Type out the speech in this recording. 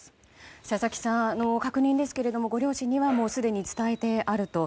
佐々木さん、確認ですがご両親にはもうすでに伝えてあると。